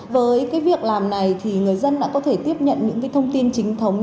với việc làm này người dân đã có thể tiếp nhận những thông tin chính thống